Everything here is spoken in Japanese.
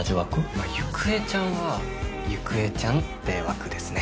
まあ、ゆくえちゃんはゆくえちゃんって枠ですね。